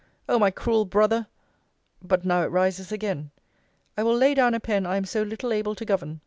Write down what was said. O my cruel brother! but now it rises again. I will lay down a pen I am so little able to govern.